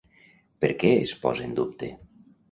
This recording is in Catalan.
Per què es posa en dubte?